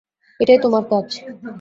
এটাই তোমার কাজ।